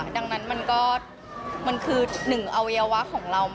ดังนั้นมันก็มันคือหนึ่งอวัยวะของเรา